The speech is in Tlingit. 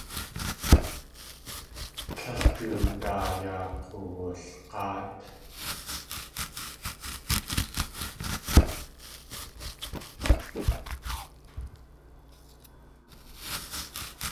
Tlél du daa yaa k̲uwulg̲áat.